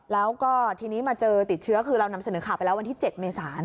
แล้วก็ทีนี้มาเจอติดเชื้อคือเรานำเสนอข่าวไปแล้ววันที่๗เมษา